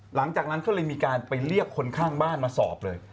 หลังจากนั้นก็เลยมีการไปเรียกคนข้างบ้านมาสอบเลย